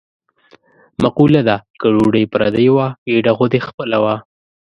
مقوله ده: که ډوډۍ پردۍ وه ګېډه خو دې خپله وه.